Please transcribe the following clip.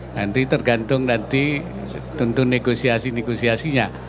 nanti tergantung nanti tentu negosiasi negosiasinya